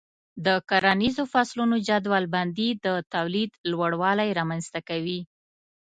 د کرنیزو فصلونو جدول بندي د تولید لوړوالی رامنځته کوي.